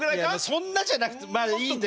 そんなじゃなくてもまあいいんだ。